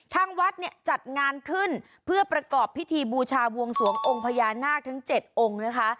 ทางวัดเนี่ยจัดงานขึ้นเพื่อประกอบพิธีบูชาบวงสวงองค์พญานาคทั้ง๗องค์นะคะ